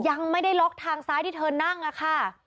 ยังไม่ได้ล็อกทางซ้ายที่เธอนั่งอะค่ะ